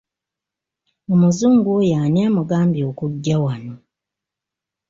Omuzungu oyo ani amugambye okujja wano?